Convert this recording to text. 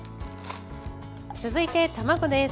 続いて、卵です。